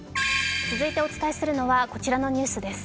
続いてお伝えするのは、こちらのニュースです。